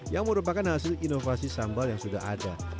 yang merupakan hasil inovasi sambal yang sudah ada